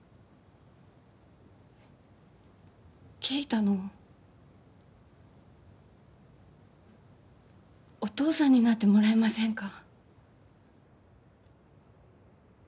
圭太のお父さんになってもらえませんか？